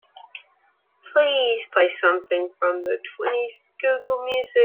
Please play something from the twenties google music